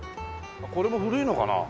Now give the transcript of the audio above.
これも古いのかな？